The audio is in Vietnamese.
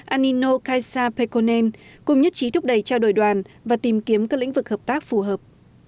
anino kasa pekonen cùng nhất trí thúc đẩy trao đổi đoàn và tìm kiếm các lĩnh vực hợp tác phù hợp